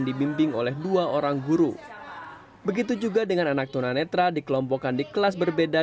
dibimbing oleh dua orang guru begitu juga dengan anak tunanetra dikelompokkan di kelas berbeda